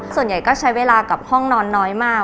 ส่วนใหญ่ก็ใช้เวลากับห้องนอนน้อยมาก